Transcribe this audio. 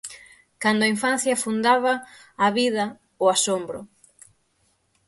Cando a infancia fundaba a vida, o asombro.